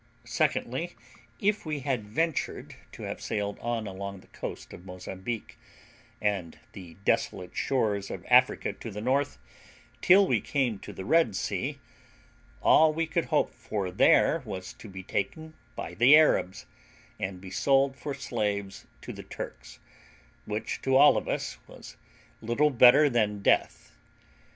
Secondly, if we had adventured to have sailed on along the coast of Mozambique, and the desolate shores of Africa to the north, till we came to the Red Sea, all we could hope for there was to be taken by the Arabs, and be sold for slaves to the Turks, which to all of us was little better than death.